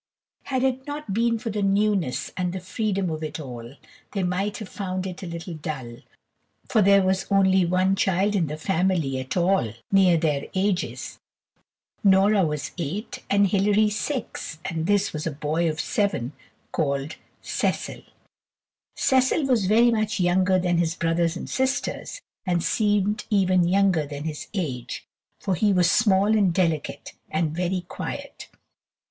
[Illustration: THE ELF] Had it not been for the newness and the freedom of it all, they might have found it a little dull, for there was only one child in the family at all near their ages Nora was eight and Hilary six and this was a boy of seven called Cecil. Cecil was very much younger than his brothers and sisters, and seemed even younger than his age, for he was small and delicate, and very quiet.